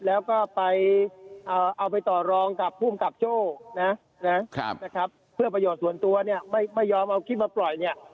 แล้วก็ไปเอาไปต่อรองกับภูมิกับโจ้นะนะครับเพื่อประโยชน์ส่วนตัวเนี่ยไม่ยอมเอาคลิปมาปล่อยเนี่ย